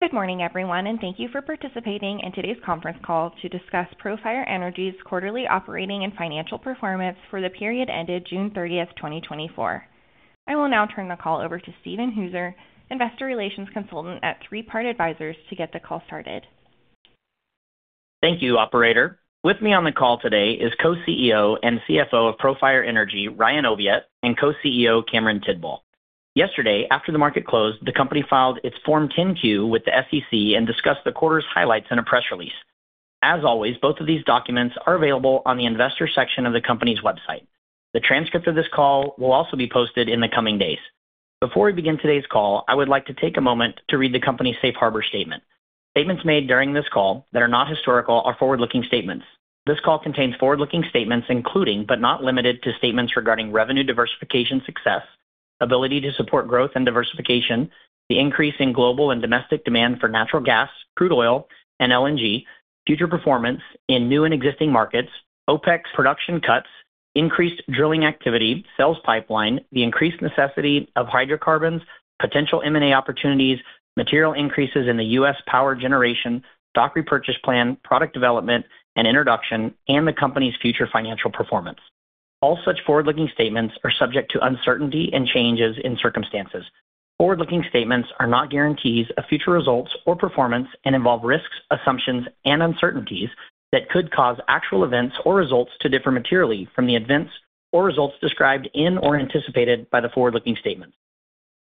Good morning, everyone, and thank you for participating in today's conference call to discuss Profire Energy's Quarterly Operating and Financial Performance for the Period Ended June 30, 2024. I will now turn the call over to Steven Hooser, investor relations consultant at Three Part Advisors, to get the call started. Thank you, operator. With me on the call today is Co-CEO and CFO of Profire Energy, Ryan Oviatt, and Co-CEO, Cameron Tidball. Yesterday, after the market closed, the company filed its Form 10-Q with the SEC and discussed the quarter's highlights in a press release. As always, both of these documents are available on the investor section of the company's website. The transcript of this call will also be posted in the coming days. Before we begin today's call, I would like to take a moment to read the company's Safe Harbor statement. Statements made during this call that are not historical are forward-looking statements. This call contains forward-looking statements, including but not limited to, statements regarding revenue diversification success, ability to support growth and diversification, the increase in global and domestic demand for natural gas, crude oil, and LNG, future performance in new and existing markets, OPEC production cuts, increased drilling activity, sales pipeline, the increased necessity of hydrocarbons, potential M&A opportunities, material increases in the U.S. power generation, stock repurchase plan, product development and introduction, and the company's future financial performance. All such forward-looking statements are subject to uncertainty and changes in circumstances. Forward-looking statements are not guarantees of future results or performance and involve risks, assumptions, and uncertainties that could cause actual events or results to differ materially from the events or results described in or anticipated by the forward-looking statement.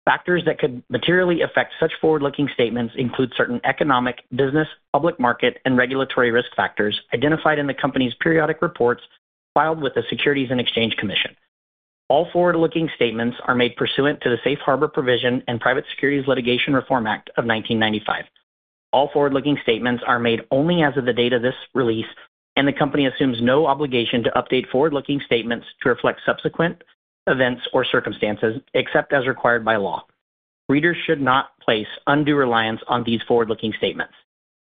Factors that could materially affect such forward-looking statements include certain economic, business, public market, and regulatory risk factors identified in the company's periodic reports filed with the Securities and Exchange Commission. All forward-looking statements are made pursuant to the Safe Harbor Provision and Private Securities Litigation Reform Act of 1995. All forward-looking statements are made only as of the date of this release, and the company assumes no obligation to update forward-looking statements to reflect subsequent events or circumstances, except as required by law. Readers should not place undue reliance on these forward-looking statements.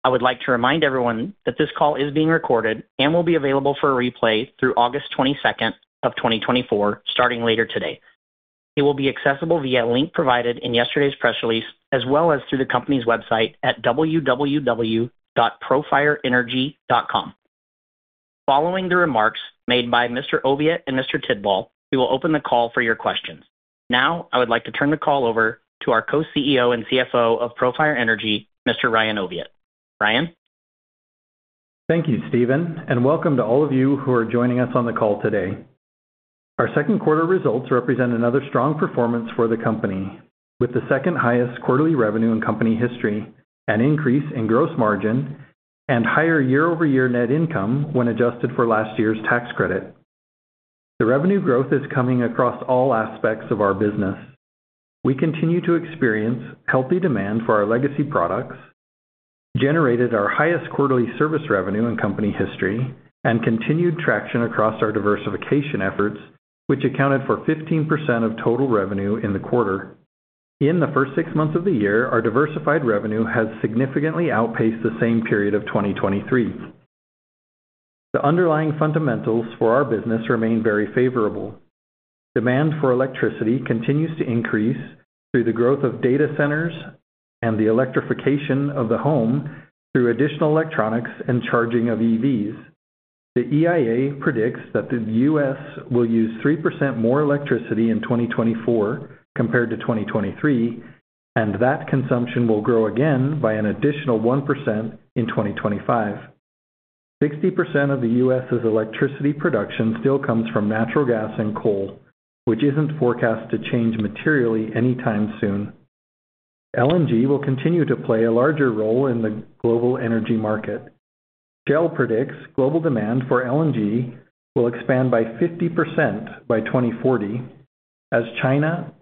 I would like to remind everyone that this call is being recorded and will be available for a replay through August 22nd of 2024, starting later today. It will be accessible via a link provided in yesterday's press release, as well as through the company's website at www.profireenergy.com. Following the remarks made by Mr. Oviatt and Mr. Tidball, we will open the call for your questions. Now, I would like to turn the call over to our Co-CEO and CFO of Profire Energy, Mr. Ryan Oviatt. Ryan? Thank you, Steven, and welcome to all of you who are joining us on the call today. Our second quarter results represent another strong performance for the company, with the second-highest quarterly revenue in company history, an increase in gross margin and higher year-over-year net income when adjusted for last year's tax credit. The revenue growth is coming across all aspects of our business. We continue to experience healthy demand for our legacy products, generated our highest quarterly service revenue in company history, and continued traction across our diversification efforts, which accounted for 15% of total revenue in the quarter. In the first six months of the year, our diversified revenue has significantly outpaced the same period of 2023. The underlying fundamentals for our business remain very favorable. Demand for electricity continues to increase through the growth of data centers and the electrification of the home through additional electronics and charging of EVs. The EIA predicts that the U.S. will use 3% more electricity in 2024 compared to 2023, and that consumption will grow again by an additional 1% in 2025. 60% of the U.S.'s electricity production still comes from natural gas and coal, which isn't forecast to change materially anytime soon. LNG will continue to play a larger role in the global energy market. Shell predicts global demand for LNG will expand by 50% by 2040 as China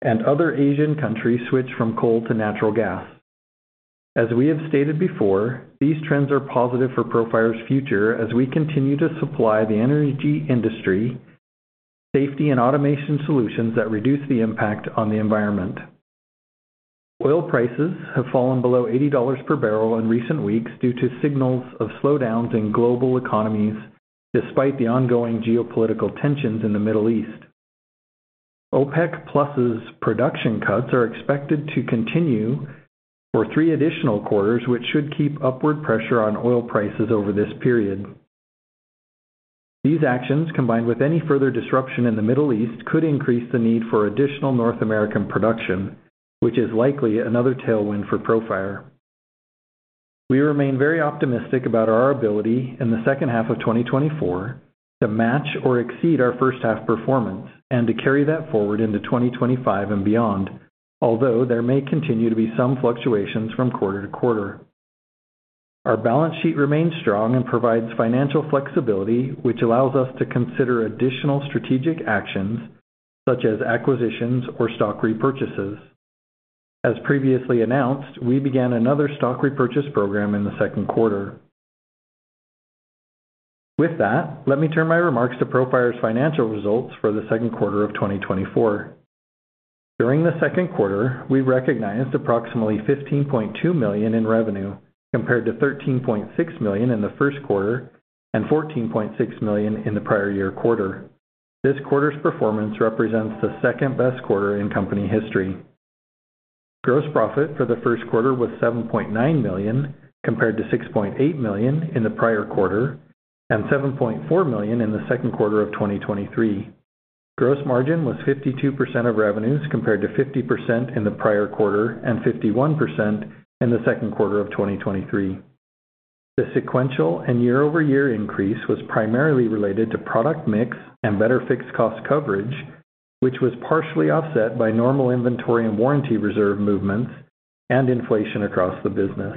and other Asian countries switch from coal to natural gas. As we have stated before, these trends are positive for Profire's future as we continue to supply the energy industry safety and automation solutions that reduce the impact on the environment. Oil prices have fallen below $80 per barrel in recent weeks due to signals of slowdowns in global economies, despite the ongoing geopolitical tensions in the Middle East. OPEC+'s production cuts are expected to continue for three additional quarters, which should keep upward pressure on oil prices over this period. These actions, combined with any further disruption in the Middle East, could increase the need for additional North American production, which is likely another tailwind for Profire. We remain very optimistic about our ability in the second half of 2024 to match or exceed our first half performance and to carry that forward into 2025 and beyond, although there may continue to be some fluctuations from quarter to quarter. Our balance sheet remains strong and provides financial flexibility, which allows us to consider additional strategic actions such as acquisitions or stock repurchases. As previously announced, we began another stock repurchase program in the second quarter. With that, let me turn my remarks to Profire's financial results for the second quarter of 2024. During the second quarter, we recognized approximately $15.2 million in revenue, compared to $13.6 million in the first quarter and $14.6 million in the prior year quarter. This quarter's performance represents the second-best quarter in company history. Gross profit for the first quarter was $7.9 million, compared to $6.8 million in the prior quarter and $7.4 million in the second quarter of 2023. Gross margin was 52% of revenues, compared to 50% in the prior quarter and 51% in the second quarter of 2023. The sequential and year-over-year increase was primarily related to product mix and better fixed cost coverage, which was partially offset by normal inventory and warranty reserve movements and inflation across the business.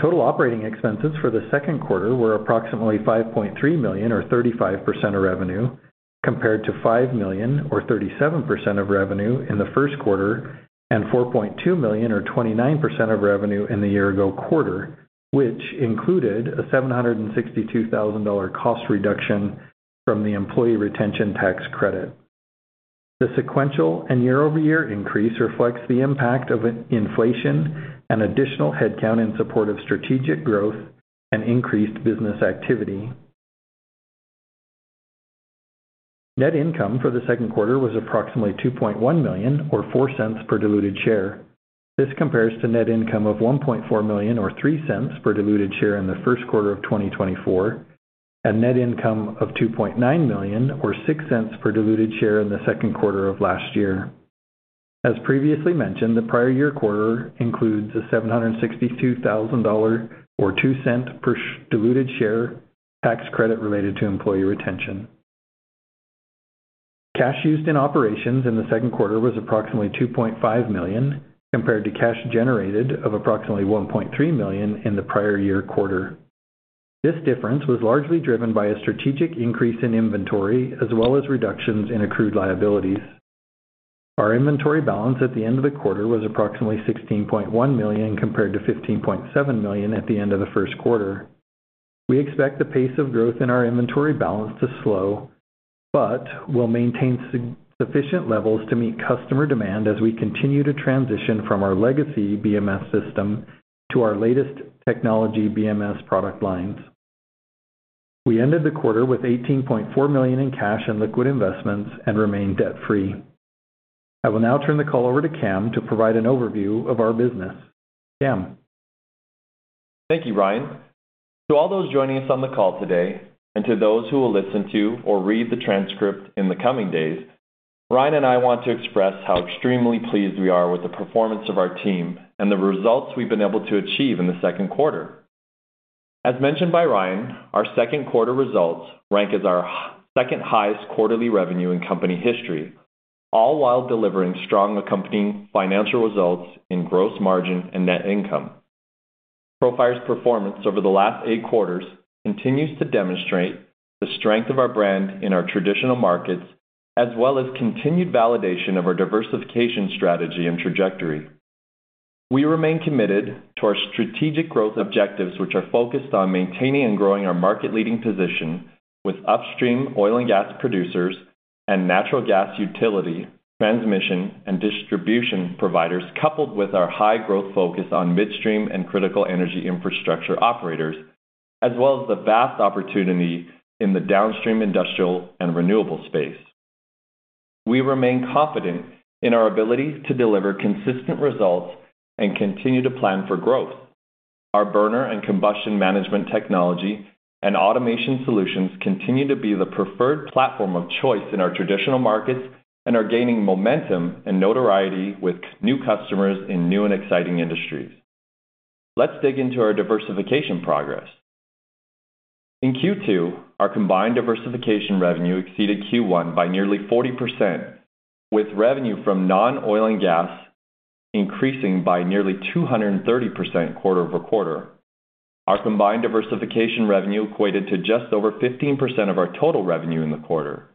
Total operating expenses for the second quarter were approximately $5.3 million, or 35% of revenue, compared to $5 million or 37% of revenue in the first quarter and $4.2 million or 29% of revenue in the year-ago quarter, which included a $762,000 cost reduction from the employee retention tax credit. The sequential and year-over-year increase reflects the impact of inflation and additional headcount in support of strategic growth and increased business activity. Net income for the second quarter was approximately $2.1 million, or $0.04 per diluted share. This compares to net income of $1.4 million, or $0.03 per diluted share in the first quarter of 2024, and net income of $2.9 million, or $0.06 per diluted share in the second quarter of last year. As previously mentioned, the prior year quarter includes a $762,000, or $0.02 per diluted share, tax credit related to employee retention. Cash used in operations in the second quarter was approximately $2.5 million, compared to cash generated of approximately $1.3 million in the prior year quarter. This difference was largely driven by a strategic increase in inventory, as well as reductions in accrued liabilities. Our inventory balance at the end of the quarter was approximately $16.1 million, compared to $15.7 million at the end of the first quarter. We expect the pace of growth in our inventory balance to slow, but we'll maintain sufficient levels to meet customer demand as we continue to transition from our legacy BMS system to our latest technology BMS product lines. We ended the quarter with $18.4 million in cash and liquid investments and remain debt-free. I will now turn the call over to Cam to provide an overview of our business. Cam? Thank you, Ryan. To all those joining us on the call today, and to those who will listen to or read the transcript in the coming days, Ryan and I want to express how extremely pleased we are with the performance of our team and the results we've been able to achieve in the second quarter. As mentioned by Ryan, our second quarter results rank as our second-highest quarterly revenue in company history, all while delivering strong accompanying financial results in gross margin and net income. Profire's performance over the last eight quarters continues to demonstrate the strength of our brand in our traditional markets, as well as continued validation of our diversification strategy and trajectory. We remain committed to our strategic growth objectives, which are focused on maintaining and growing our market-leading position with upstream oil and gas producers and natural gas utility, transmission, and distribution providers, coupled with our high-growth focus on midstream and critical energy infrastructure operators, as well as the vast opportunity in the downstream industrial and renewable space. We remain confident in our ability to deliver consistent results and continue to plan for growth. Our burner and combustion management technology and automation solutions continue to be the preferred platform of choice in our traditional markets and are gaining momentum and notoriety with new customers in new and exciting industries. Let's dig into our diversification progress. In Q2, our combined diversification revenue exceeded Q1 by nearly 40%, with revenue from non-oil and gas increasing by nearly 230% quarter-over-quarter. Our combined diversification revenue equated to just over 15% of our total revenue in the quarter.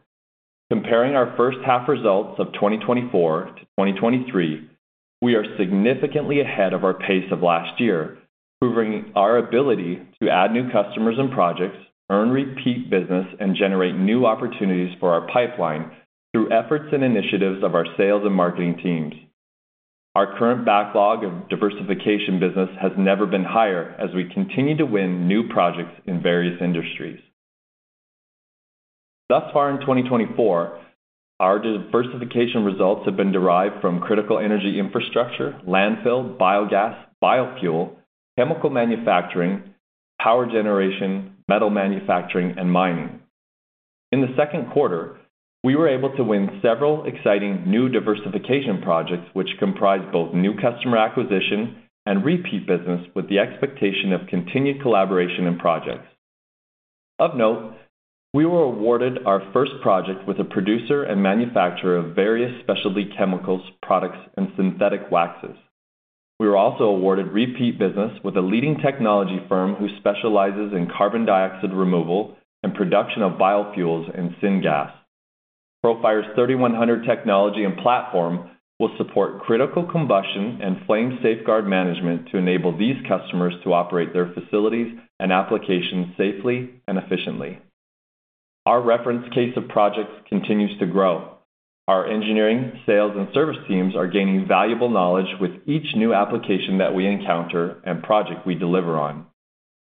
Comparing our first half results of 2024 to 2023, we are significantly ahead of our pace of last year, proving our ability to add new customers and projects, earn repeat business, and generate new opportunities for our pipeline through efforts and initiatives of our sales and marketing teams. Our current backlog of diversification business has never been higher as we continue to win new projects in various industries. Thus far in 2024, our diversification results have been derived from critical energy infrastructure, landfill, biogas, biofuel, chemical manufacturing, power generation, metal manufacturing, and mining. In the second quarter, we were able to win several exciting new diversification projects, which comprise both new customer acquisition and repeat business, with the expectation of continued collaboration and projects. Of note, we were awarded our first project with a producer and manufacturer of various specialty chemicals, products, and synthetic waxes. We were also awarded repeat business with a leading technology firm who specializes in carbon dioxide removal and production of biofuels and syngas. Profire's 3100 technology and platform will support critical combustion and flame safeguard management to enable these customers to operate their facilities and applications safely and efficiently. Our reference case of projects continues to grow.... Our engineering, sales, and service teams are gaining valuable knowledge with each new application that we encounter and project we deliver on.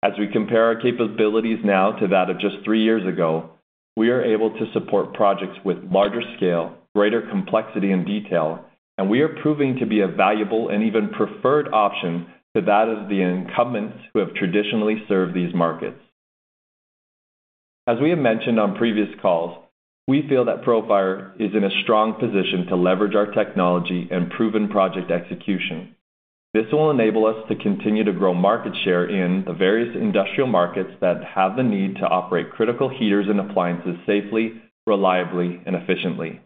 As we compare our capabilities now to that of just three years ago, we are able to support projects with larger scale, greater complexity and detail, and we are proving to be a valuable and even preferred option to that of the incumbents who have traditionally served these markets. As we have mentioned on previous calls, we feel that Profire is in a strong position to leverage our technology and proven project execution. This will enable us to continue to grow market share in the various industrial markets that have the need to operate critical heaters and appliances safely, reliably, and efficiently.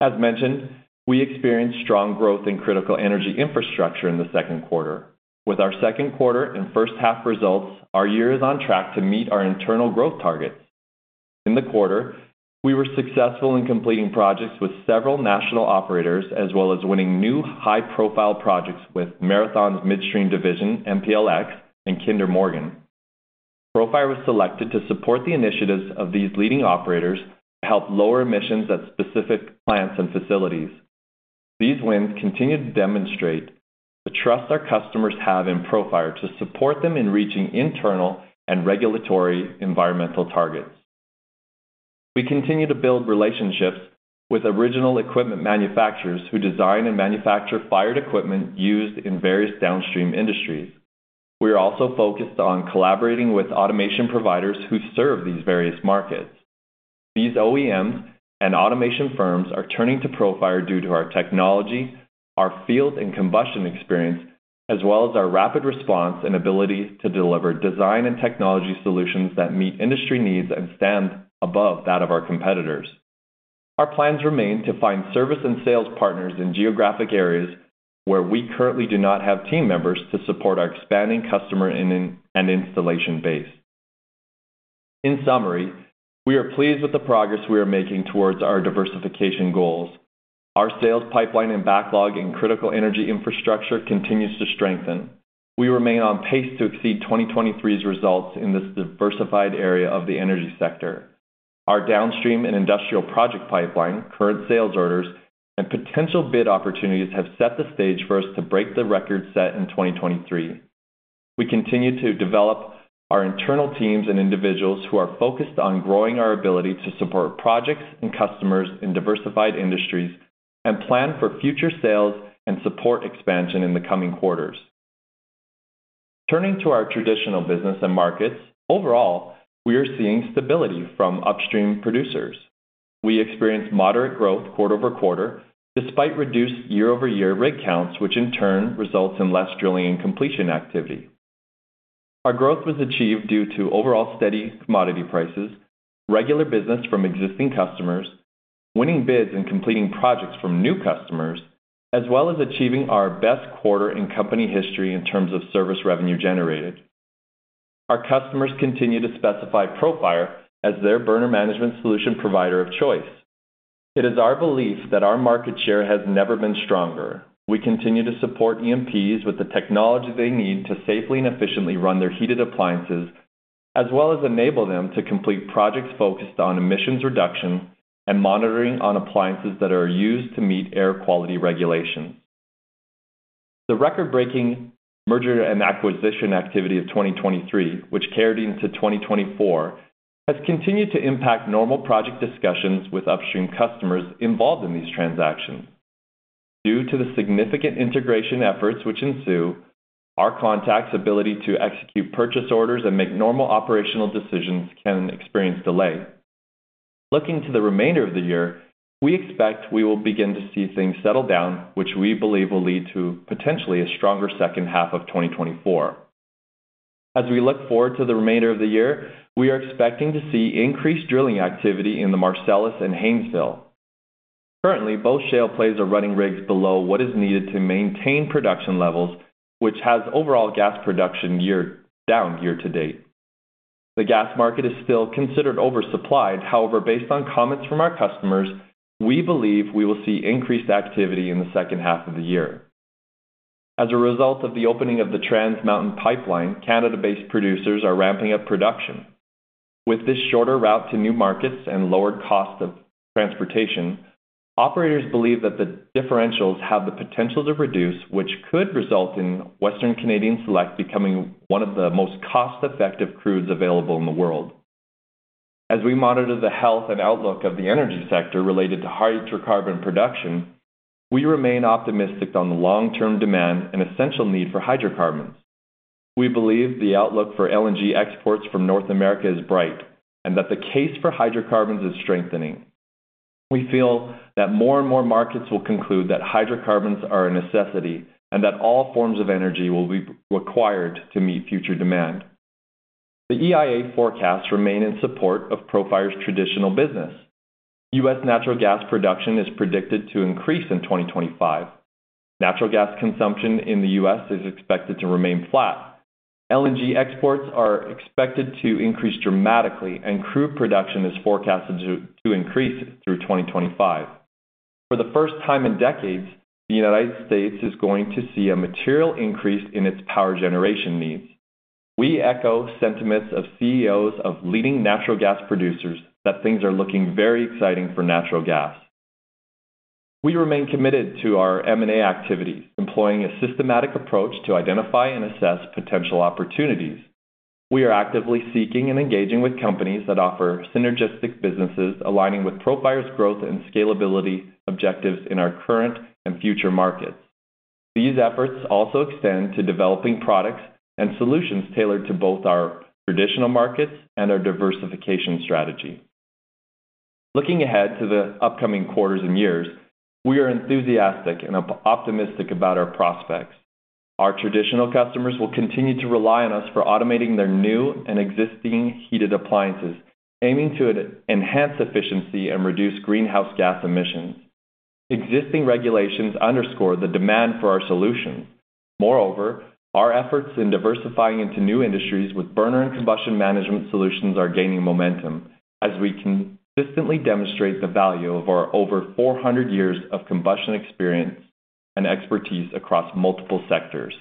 As mentioned, we experienced strong growth in critical energy infrastructure in the second quarter. With our second quarter and first half results, our year is on track to meet our internal growth targets. In the quarter, we were successful in completing projects with several national operators, as well as winning new high-profile projects with Marathon's Midstream division, MPLX, and Kinder Morgan. Profire was selected to support the initiatives of these leading operators to help lower emissions at specific plants and facilities. These wins continue to demonstrate the trust our customers have in Profire to support them in reaching internal and regulatory environmental targets. We continue to build relationships with original equipment manufacturers who design and manufacture fired equipment used in various downstream industries. We are also focused on collaborating with automation providers who serve these various markets. These OEMs and automation firms are turning to Profire due to our technology, our field and combustion experience, as well as our rapid response and ability to deliver design and technology solutions that meet industry needs and stand above that of our competitors. Our plans remain to find service and sales partners in geographic areas where we currently do not have team members to support our expanding customer and installation base. In summary, we are pleased with the progress we are making towards our diversification goals. Our sales pipeline and backlog in critical energy infrastructure continues to strengthen. We remain on pace to exceed 2023's results in this diversified area of the energy sector. Our downstream and industrial project pipeline, current sales orders, and potential bid opportunities have set the stage for us to break the record set in 2023. We continue to develop our internal teams and individuals who are focused on growing our ability to support projects and customers in diversified industries, and plan for future sales and support expansion in the coming quarters. Turning to our traditional business and markets, overall, we are seeing stability from upstream producers. We experienced moderate growth quarter-over-quarter, despite reduced year-over-year rig counts, which in turn results in less drilling and completion activity. Our growth was achieved due to overall steady commodity prices, regular business from existing customers, winning bids and completing projects from new customers, as well as achieving our best quarter in company history in terms of service revenue generated. Our customers continue to specify Profire as their burner management solution provider of choice. It is our belief that our market share has never been stronger. We continue to support E&Ps with the technology they need to safely and efficiently run their heated appliances, as well as enable them to complete projects focused on emissions reduction and monitoring on appliances that are used to meet air quality regulations. The record-breaking merger and acquisition activity of 2023, which carried into 2024, has continued to impact normal project discussions with upstream customers involved in these transactions. Due to the significant integration efforts which ensue, our contacts' ability to execute purchase orders and make normal operational decisions can experience delay. Looking to the remainder of the year, we expect we will begin to see things settle down, which we believe will lead to potentially a stronger second half of 2024. As we look forward to the remainder of the year, we are expecting to see increased drilling activity in the Marcellus and Haynesville. Currently, both shale plays are running rigs below what is needed to maintain production levels, which has overall gas production year-over-year down year-to-date. The gas market is still considered oversupplied. However, based on comments from our customers, we believe we will see increased activity in the second half of the year. As a result of the opening of the Trans Mountain pipeline, Canada-based producers are ramping up production. With this shorter route to new markets and lower cost of transportation, operators believe that the differentials have the potential to reduce, which could result in Western Canadian Select becoming one of the most cost-effective crudes available in the world. As we monitor the health and outlook of the energy sector related to hydrocarbon production, we remain optimistic on the long-term demand and essential need for hydrocarbons. We believe the outlook for LNG exports from North America is bright, and that the case for hydrocarbons is strengthening. We feel that more and more markets will conclude that hydrocarbons are a necessity, and that all forms of energy will be required to meet future demand. The EIA forecasts remain in support of Profire's traditional business. U.S. natural gas production is predicted to increase in 2025. Natural gas consumption in the U.S. is expected to remain flat. LNG exports are expected to increase dramatically, and crude production is forecasted to increase through 2025. For the first time in decades, the United States is going to see a material increase in its power generation needs. We echo sentiments of CEOs of leading natural gas producers that things are looking very exciting for natural gas. We remain committed to our M&A activities, employing a systematic approach to identify and assess potential opportunities. We are actively seeking and engaging with companies that offer synergistic businesses, aligning with Profire's growth and scalability objectives in our current and future markets. These efforts also extend to developing products and solutions tailored to both our traditional markets and our diversification strategy. Looking ahead to the upcoming quarters and years, we are enthusiastic and optimistic about our prospects. Our traditional customers will continue to rely on us for automating their new and existing heated appliances, aiming to enhance efficiency and reduce greenhouse gas emissions. Existing regulations underscore the demand for our solutions. Moreover, our efforts in diversifying into new industries with burner and combustion management solutions are gaining momentum as we consistently demonstrate the value of our over 400 years of combustion experience and expertise across multiple sectors.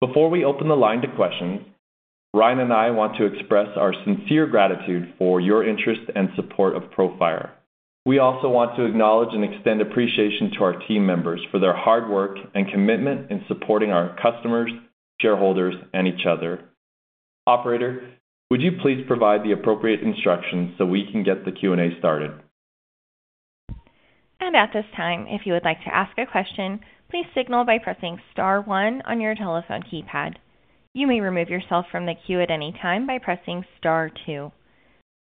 Before we open the line to questions, Ryan and I want to express our sincere gratitude for your interest and support of Profire. We also want to acknowledge and extend appreciation to our team members for their hard work and commitment in supporting our customers, shareholders, and each other. Operator, would you please provide the appropriate instructions so we can get the Q&A started? At this time, if you would like to ask a question, please signal by pressing star one on your telephone keypad. You may remove yourself from the queue at any time by pressing star two.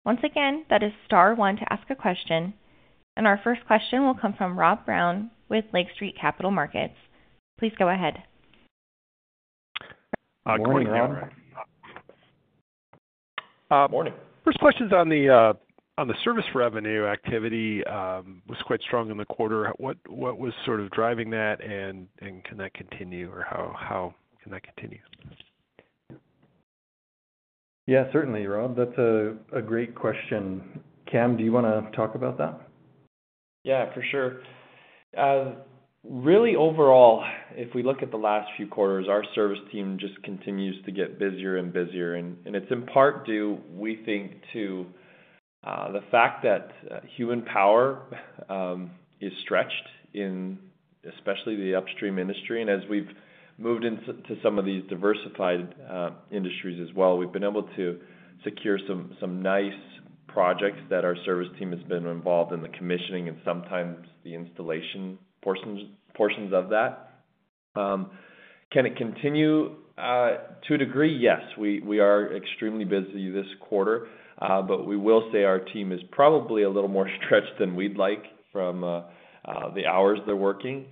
Once again, that is star one to ask a question, and our first question will come from Rob Brown with Lake Street Capital Markets. Please go ahead. Good morning, Rob. Morning. First question's on the service revenue activity was quite strong in the quarter. What was sort of driving that, and can that continue, or how can that continue? Yeah, certainly, Rob. That's a great question. Cam, do you wanna talk about that? Yeah, for sure. Really overall, if we look at the last few quarters, our service team just continues to get busier and busier, and it's in part due, we think, to the fact that human power is stretched in especially the upstream industry. And as we've moved into some of these diversified industries as well, we've been able to secure some nice projects that our service team has been involved in the commissioning and sometimes the installation portions of that. Can it continue? To a degree, yes. We are extremely busy this quarter, but we will say our team is probably a little more stretched than we'd like from the hours they're working.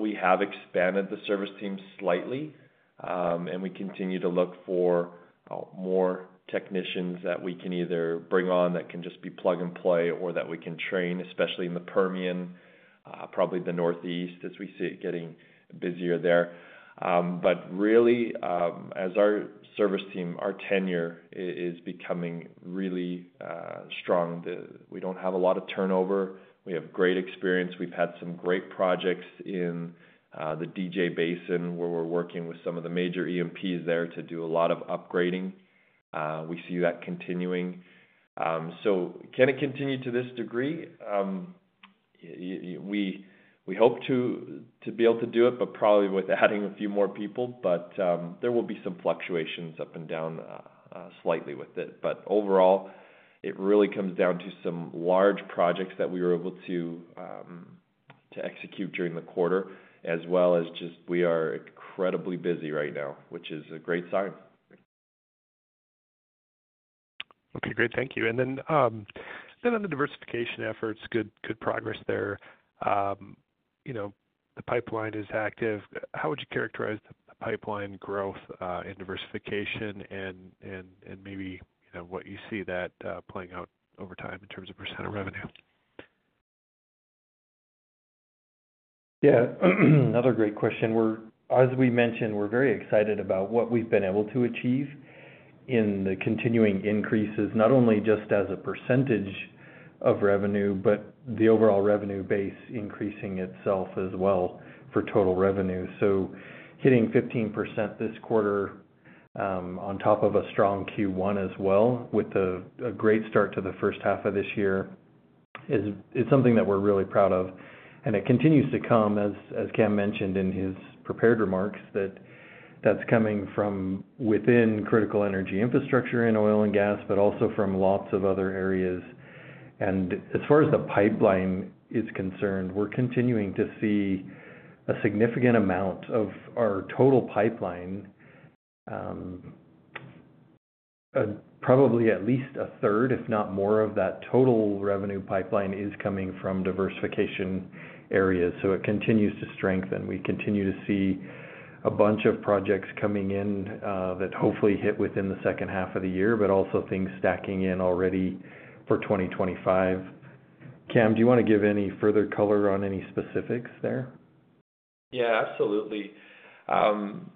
We have expanded the service team slightly, and we continue to look for more technicians that we can either bring on, that can just be plug-and-play, or that we can train, especially in the Permian, probably the Northeast, as we see it getting busier there. But really, as our service team, our tenure is becoming really strong. We don't have a lot of turnover. We have great experience. We've had some great projects in the DJ Basin, where we're working with some of the major E&Ps there to do a lot of upgrading. We see that continuing. So can it continue to this degree? We hope to be able to do it, but probably with adding a few more people. But, there will be some fluctuations up and down, slightly with it. But overall, it really comes down to some large projects that we were able to execute during the quarter, as well as just we are incredibly busy right now, which is a great sign. Okay, great. Thank you. And then on the diversification efforts, good, good progress there. You know, the pipeline is active. How would you characterize the pipeline growth in diversification and maybe, you know, what you see that playing out over time in terms of percent of revenue? Yeah, another great question. We're, as we mentioned, we're very excited about what we've been able to achieve in the continuing increases, not only just as a percentage of revenue, but the overall revenue base increasing itself as well for total revenue. So hitting 15% this quarter on top of a strong Q1 as well, with a great start to the first half of this year, is something that we're really proud of, and it continues to come, as Cam mentioned in his prepared remarks, that that's coming from within critical energy infrastructure in oil and gas, but also from lots of other areas. As far as the pipeline is concerned, we're continuing to see a significant amount of our total pipeline, probably at least a third, if not more of that total revenue pipeline is coming from diversification areas, so it continues to strengthen. We continue to see a bunch of projects coming in, that hopefully hit within the second half of the year, but also things stacking in already for 2025. Cam, do you want to give any further color on any specifics there? Yeah, absolutely.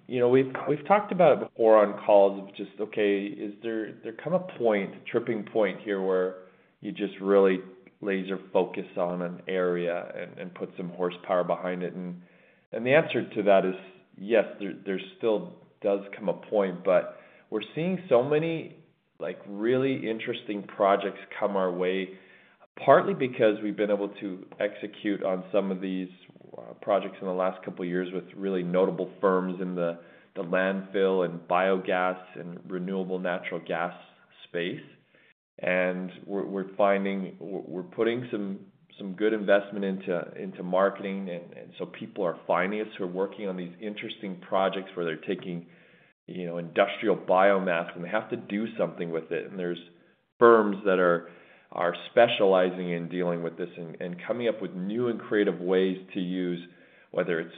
You know, we've talked about it before on calls of just, okay, is there a point, tipping point here where you just really laser focus on an area and put some horsepower behind it. And the answer to that is yes, there still does come a point, but we're seeing so many-... like really interesting projects come our way, partly because we've been able to execute on some of these projects in the last couple of years with really notable firms in the landfill and biogas and renewable natural gas space. And we're finding we're putting some good investment into marketing and so people are finding us. We're working on these interesting projects where they're taking, you know, industrial biomass, and they have to do something with it. And there's firms that are specializing in dealing with this and coming up with new and creative ways to use, whether it's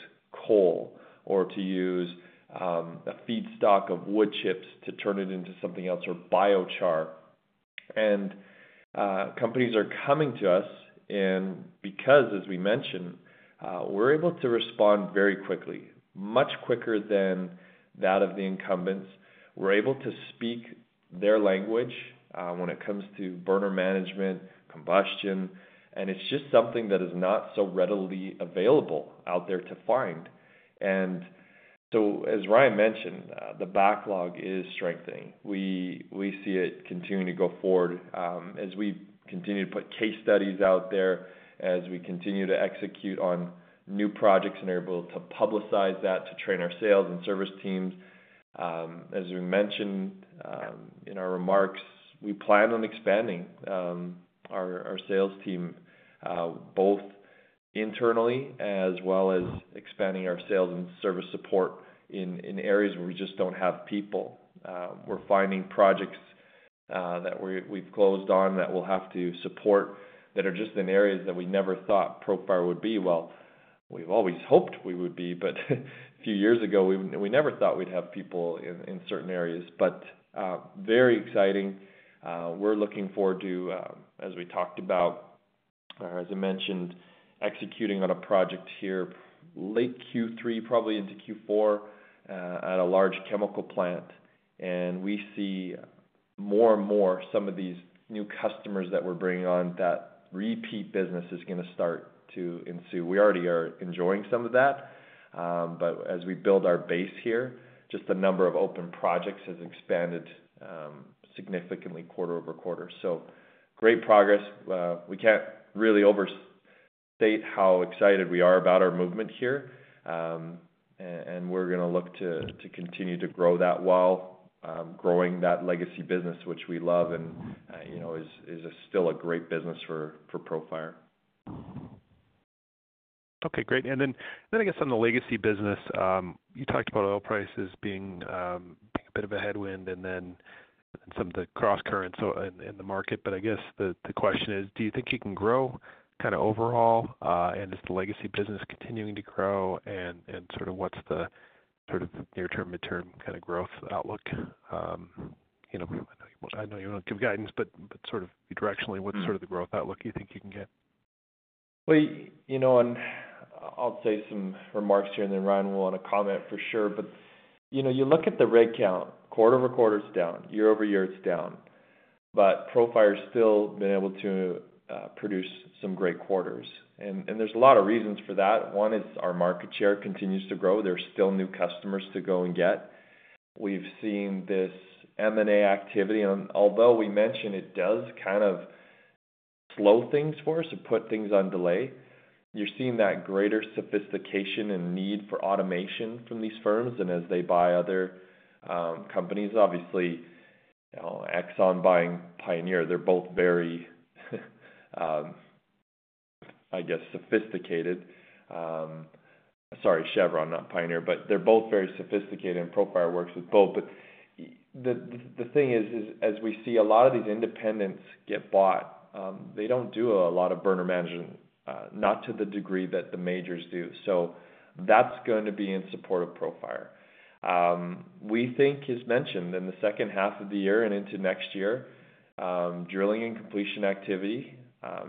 coal or to use a feedstock of wood chips to turn it into something else, or biochar. Companies are coming to us, and because, as we mentioned, we're able to respond very quickly, much quicker than that of the incumbents. We're able to speak their language, when it comes to burner management, combustion, and it's just something that is not so readily available out there to find. And so, as Ryan mentioned, the backlog is strengthening. We see it continuing to go forward, as we continue to put case studies out there, as we continue to execute on new projects, and are able to publicize that, to train our sales and service teams. As we mentioned, in our remarks, we plan on expanding our sales team, both internally as well as expanding our sales and service support in areas where we just don't have people. We're finding projects that we've closed on that we'll have to support, that are just in areas that we never thought Profire would be. Well, we've always hoped we would be, but a few years ago, we never thought we'd have people in certain areas, but very exciting. We're looking forward to, as we talked about, or as I mentioned, executing on a project here, late Q3, probably into Q4, at a large chemical plant. And we see more and more some of these new customers that we're bringing on, that repeat business is gonna start to ensue. We already are enjoying some of that. But as we build our base here, just the number of open projects has expanded significantly quarter-over-quarter. So great progress. We can't really overstate how excited we are about our movement here. And we're gonna look to continue to grow that while growing that legacy business, which we love and you know is still a great business for Profire. Okay, great. And then, then I guess on the legacy business, you talked about oil prices being, being a bit of a headwind and then some of the crosscurrents so-- in, in the market. But I guess the, the question is: Do you think you can grow kinda overall, and is the legacy business continuing to grow? And, and sort of what's the sort of near-term, midterm kinda growth outlook? You know, I know you won't give guidance, but, but sort of directionally- Mm. What's sort of the growth outlook you think you can get? Well, you know, and I'll say some remarks here, and then Ryan will wanna comment for sure. But, you know, you look at the rig count, quarter-over-quarter, it's down; year-over-year, it's down. But Profire's still been able to produce some great quarters, and, and there's a lot of reasons for that. One is our market share continues to grow. There's still new customers to go and get. We've seen this M&A activity, and although we mentioned it does kind of slow things for us or put things on delay, you're seeing that greater sophistication and need for automation from these firms. And as they buy other companies, obviously, Exxon buying Pioneer, they're both very, I guess, sophisticated. Sorry, Chevron, not Pioneer, but they're both very sophisticated, and Profire works with both. But the thing is, as we see a lot of these independents get bought, they don't do a lot of burner management, not to the degree that the majors do. So that's going to be in support of Profire. We think, as mentioned, in the second half of the year and into next year, drilling and completion activity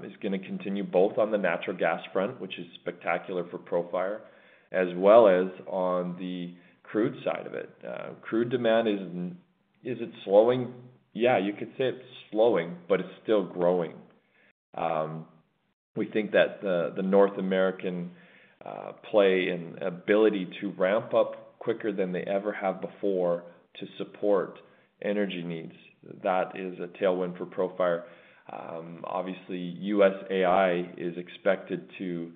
is gonna continue both on the natural gas front, which is spectacular for Profire, as well as on the crude side of it. Crude demand, is it slowing? Yeah, you could say it's slowing, but it's still growing. We think that the North American play and ability to ramp up quicker than they ever have before to support energy needs, that is a tailwind for Profire. Obviously, U.S. AI is expected to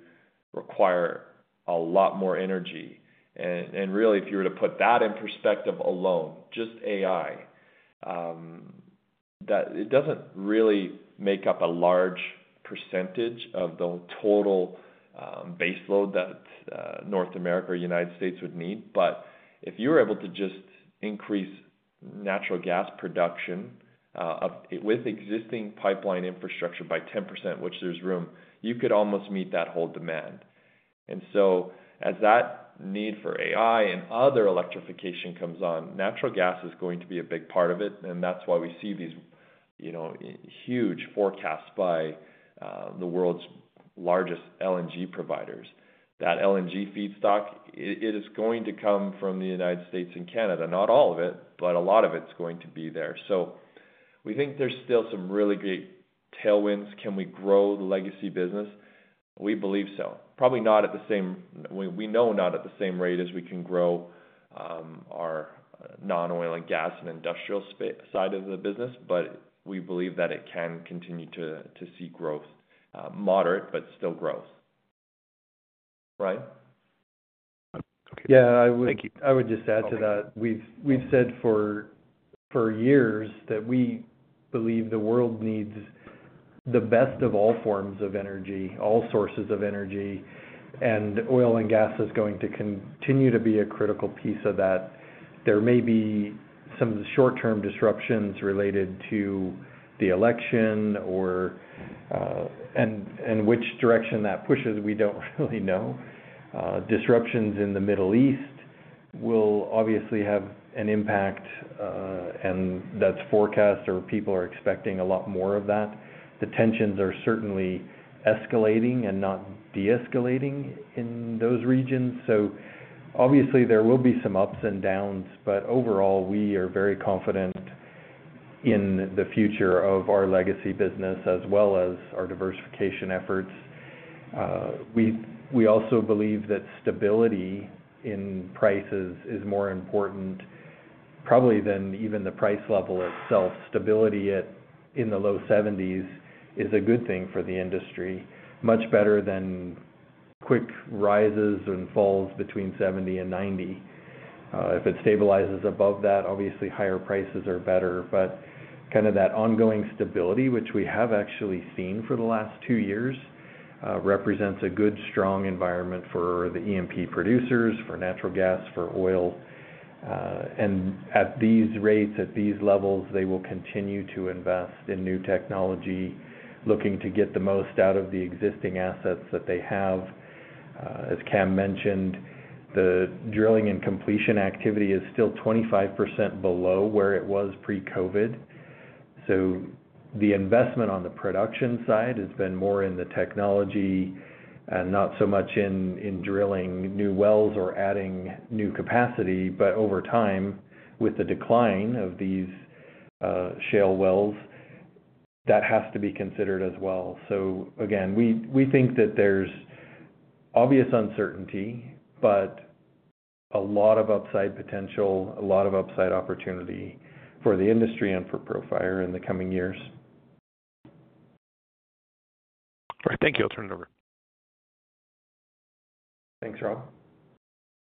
require a lot more energy. Really, if you were to put that in perspective alone, just AI, it doesn't really make up a large percentage of the total base load that North America or United States would need. But if you're able to just increase natural gas production with existing pipeline infrastructure by 10%, which there's room, you could almost meet that whole demand. And so as that need for AI and other electrification comes on, natural gas is going to be a big part of it, and that's why we see these, you know, huge forecasts by the world's largest LNG providers. That LNG feedstock, it is going to come from the United States and Canada. Not all of it, but a lot of it's going to be there. So we think there's still some really great-... tailwinds, can we grow the legacy business? We believe so. Probably not at the same—we know not at the same rate as we can grow our non-oil and gas and industrial space side of the business, but we believe that it can continue to see growth, moderate, but still growth. Ryan? Yeah, I would- Thank you. I would just add to that. We've said for years that we believe the world needs the best of all forms of energy, all sources of energy, and oil and gas is going to continue to be a critical piece of that. There may be some short-term disruptions related to the election or, and which direction that pushes, we don't really know. Disruptions in the Middle East will obviously have an impact, and that's forecast or people are expecting a lot more of that. The tensions are certainly escalating and not de-escalating in those regions. So obviously, there will be some ups and downs, but overall, we are very confident in the future of our legacy business as well as our diversification efforts. We also believe that stability in prices is more important, probably than even the price level itself. Stability at, in the low 70s is a good thing for the industry, much better than quick rises and falls between 70 and 90. If it stabilizes above that, obviously higher prices are better. But kind of that ongoing stability, which we have actually seen for the last 2 years, represents a good, strong environment for the E&P producers, for natural gas, for oil. And at these rates, at these levels, they will continue to invest in new technology, looking to get the most out of the existing assets that they have. As Cam mentioned, the drilling and completion activity is still 25% below where it was pre-COVID. So the investment on the production side has been more in the technology and not so much in drilling new wells or adding new capacity. But over time, with the decline of these shale wells, that has to be considered as well. So again, we think that there's obvious uncertainty, but a lot of upside potential, a lot of upside opportunity for the industry and for Profire in the coming years. All right. Thank you. I'll turn it over. Thanks, Rob.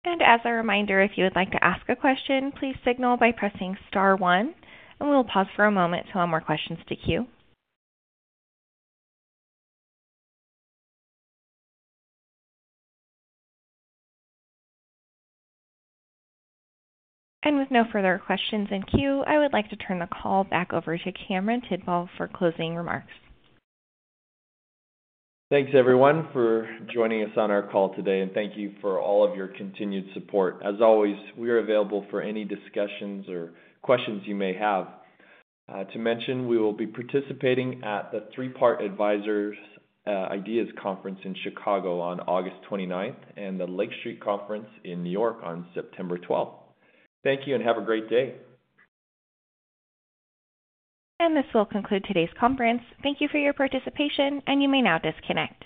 As a reminder, if you would like to ask a question, please signal by pressing star one, and we'll pause for a moment to allow more questions to queue. With no further questions in queue, I would like to turn the call back over to Cameron Tidball for closing remarks. Thanks, everyone, for joining us on our call today, and thank you for all of your continued support. As always, we are available for any discussions or questions you may have. To mention, we will be participating at the Three Part Advisors' IDEAS Conference in Chicago on August 29th at the Lake Street Conference in New York on September twelfth. Thank you and have a great day. This will conclude today's conference. Thank you for your participation, and you may now disconnect.